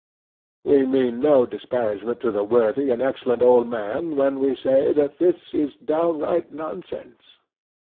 We mean no disparagement to the worthy and excellent old man when we say that this is downright nonsense.